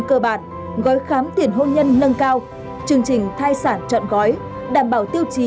cơ bản gói khám tiền hôn nhân nâng cao chương trình thai sản chọn gói đảm bảo tiêu chí